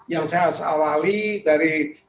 yang saya harus awali dari